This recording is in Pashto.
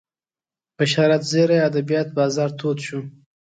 بشارت زیري ادبیات بازار تود شو